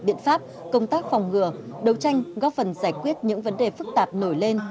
biện pháp công tác phòng ngừa đấu tranh góp phần giải quyết những vấn đề phức tạp nổi lên